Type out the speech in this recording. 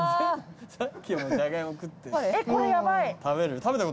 食べる？